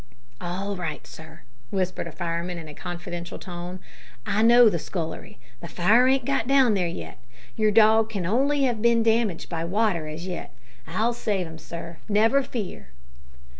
"All right, sir," whispered a fireman in a confidential tone, "I know the scullery. The fire ain't got down there yet. Your dog can only have bin damaged by water as yet. I'll save 'im sir, never fear."